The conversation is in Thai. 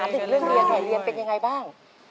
อันนี้เรื่องแถวเรียนเป็นยังไงบ้าง